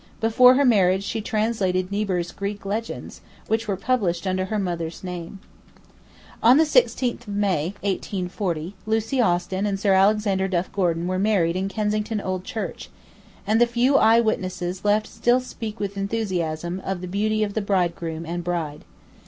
Before her marriage she translated Niebuhr's 'Greek Legends,' which were published under her mother's name. On the 16th May, 1840, Lucie Austin and Sir Alexander Duff Gordon were married in Kensington Old Church, and the few eye witnesses left still speak with enthusiasm of the beauty of bridegroom and bride.